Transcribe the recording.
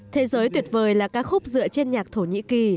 thế giới tuyệt vời là ca khúc dựa trên nhạc thổ nhĩ kỳ